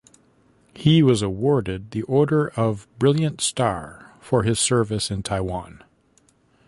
He was awarded the Order of Brilliant Star for his service in Taiwan.